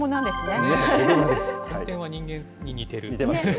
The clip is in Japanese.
体形は人間に似てる。